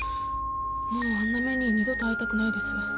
もうあんな目に二度と遭いたくないです。